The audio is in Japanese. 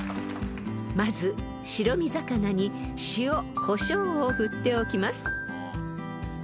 ［まず白身魚に塩こしょうを振っておきます］